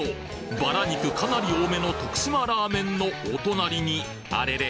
バラ肉かなり多めの徳島ラーメンのお隣にあれれ？